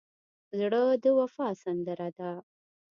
زړه د وفا سندره ده.